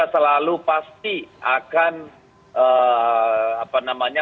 selalu pasti akan apa namanya